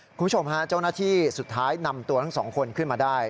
คุณผู้ชมฮะเจ้าหน้าที่สุดท้ายนำตัวทั้งสองคนขึ้นมาได้